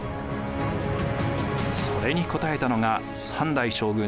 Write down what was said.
それに応えたのが３代将軍